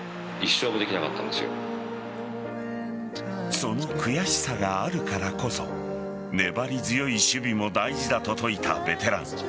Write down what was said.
その悔しさがあるからこそ粘り強い守備も大事だと説いたベテラン。